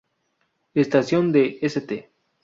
Estación de St.